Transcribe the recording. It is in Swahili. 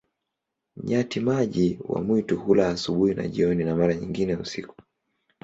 Nyati-maji wa mwitu hula asubuhi na jioni, na mara nyingine usiku.